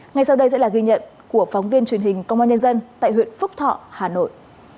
ngay sau đây sẽ là ghi nhận của phóng viên truyền hình công an nhân dân tại huyện phúc thọ hà nội